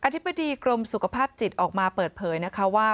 ธิบดีกรมสุขภาพจิตออกมาเปิดเผยนะคะว่า